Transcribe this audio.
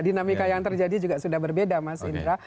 dinamika yang terjadi juga sudah berbeda mas indra